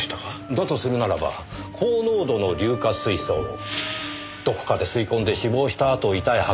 だとするならば高濃度の硫化水素をどこかで吸い込んで死亡したあと遺体発見現場まで運ばれた。